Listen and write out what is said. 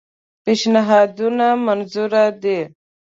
پېشنهادونه منظور دي.